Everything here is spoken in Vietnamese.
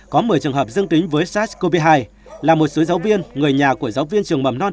có một mươi trường hợp dương tính với sars cov hai là một số giáo viên người nhà của giáo viên trường mầm non